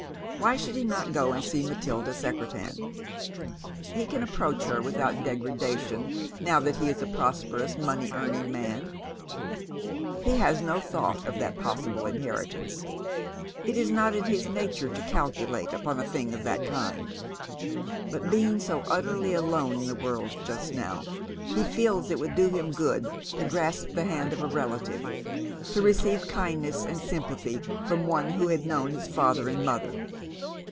Why should he not go and see Matilda Secretan ? He can approach her without degradation now that he is a prosperous, money earning man. He has no thought of that possible inheritance. It is not in his nature to calculate upon a thing of that kind ; but, being so utterly alone in the world just now, he feels that it would do him good to grasp the hand of a relative — to receive kindness and sympathy from one who had known his father and mother.